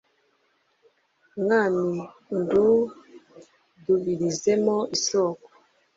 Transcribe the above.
mwami undudubirizemo isoko